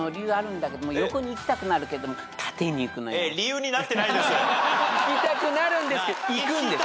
いきたくなるんですけどいくんです。